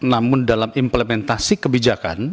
namun dalam implementasi kebijakan